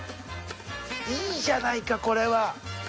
いいじゃないかこれは！